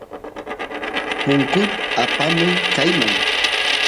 punkut apamuy kayman